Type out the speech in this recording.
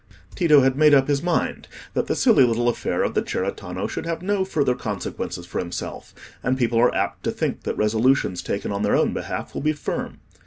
Tito had made up his mind that the silly little affair of the cerretano should have no further consequences for himself; and people are apt to think that resolutions taken on their own behalf will be firm.